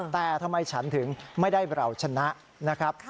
แต่ทำไมฉันถึงไม่ได้เราชนะนะครับ